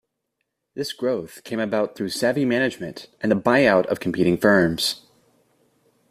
This growth came about through savvy management and the buyout of competing firms.